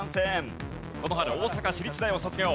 この春大阪市立大を卒業。